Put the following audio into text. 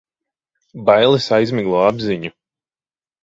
Bailes aizmiglo apziņu.